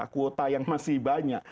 kuota yang masih banyak